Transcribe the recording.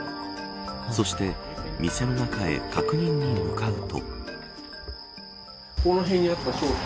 そして、店の中へ確認に向かうと。